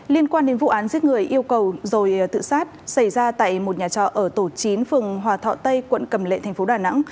liên quan đến vụ án giết người yêu cầu rồi tự sát xảy ra tại một nhà trọ ở tổ chín phường hòa thọ tây quận cầm lệ thành phố đà nẵng